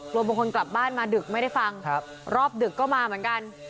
บางคนกลับบ้านมาดึกไม่ได้ฟังรอบดึกก็มาเหมือนกัน